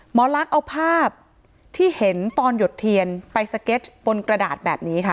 หมอลักษณ์เอาภาพที่เห็นตอนหยดเทียนไปสเก็ตบนกระดาษแบบนี้ค่ะ